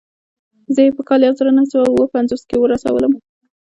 زه يې په کال يو زر و نهه سوه اووه پنځوس کې ورسولم.